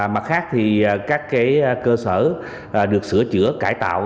mặt khác thì các cơ sở được sửa chữa cải tạo